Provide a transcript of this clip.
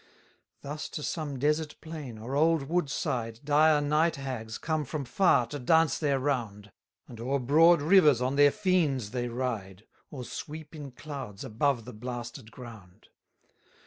248 Thus to some desert plain, or old woodside, Dire night hags come from far to dance their round; And o'er broad rivers on their fiends they ride, Or sweep in clouds above the blasted ground.